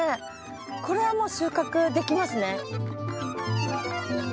これはもう収穫できますね。